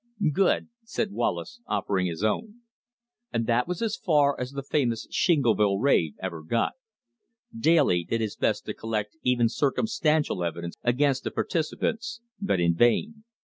"Good," said Wallace offering his own. And that was as far as the famous Shingleville raid ever got. Daly did his best to collect even circumstantial evidence against the participants, but in vain.